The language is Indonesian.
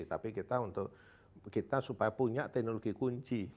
tapi kita untuk kita supaya punya teknologi kunci